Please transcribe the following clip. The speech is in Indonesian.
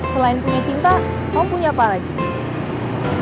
selain punya cinta mau punya apa lagi